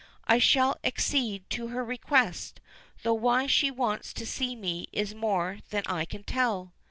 "I shall accede to her request, though why she wants to see me is more than I can tell."